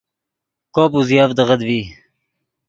کوپ اوزیڤدغت ڤی